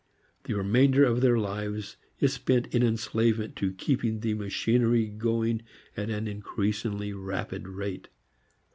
The remainder of their lives is spent in enslavement to keeping the machinery going at an increasingly rapid rate.